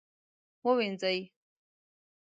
ووینځئ